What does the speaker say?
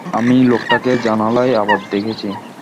আমি লোকটাকে জানালায় আবার দেখেছি।